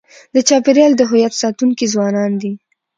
د چاپېریال د هویت ساتونکي ځوانان دي.